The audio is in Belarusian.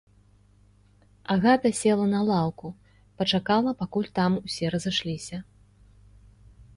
Агата села на лаўку, пачакала, пакуль там усе разышліся.